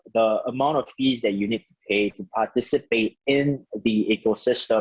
dengan harga yang harus dipayar untuk berpartisipasi dalam ekosistem